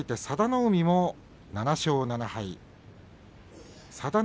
佐田の海も７勝７敗です。